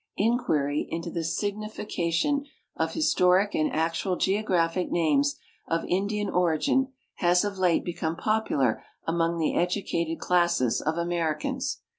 Inquiry into the signification of historic and actual geographic names of Indian origin has of late become i)opular among the educated classes of Americans.